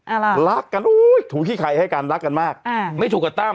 อะไรรักกันอุ้ยถูกขี้ใครให้กันรักกันมากอ่าไม่ถูกกับตั้ม